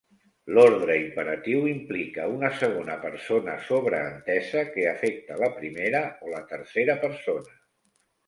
L'ordre imperatiu implica una segona persona sobreentesa que afecta la primera o la tercera persona.